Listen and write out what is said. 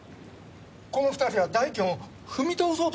この２人は代金を踏み倒そうとしたんですよ！？